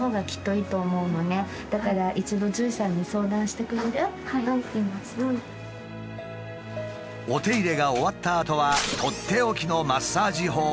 お手入れが終わったあとはとっておきのマッサージ法をアドバイス。